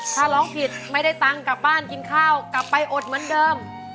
ถ้าร้องผิดไม่ได้ตังค์กลับบ้านกินข้าวกลับไปอดเหมือนเดิม